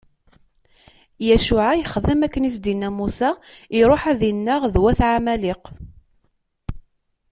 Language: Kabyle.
Yacuɛa yexdem akken i s-d-inna Musa, iṛuḥ ad innaɣ d wat ɛamaliq.